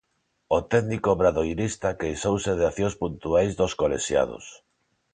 O técnico obradoirista queixouse de accións puntuais dos colexiados.